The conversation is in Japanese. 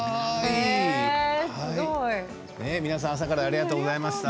皆さん朝からありがとうございました。